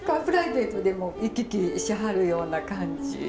プライベートでも行き来しはるような感じ？